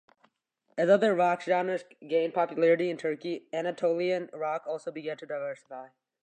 As other rock genres gained popularity in Turkey, Anatolian rock also began to diversify.